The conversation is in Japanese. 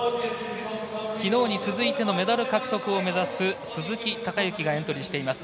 きのうに続いてのメダル獲得を目指す鈴木孝幸がエントリーしています。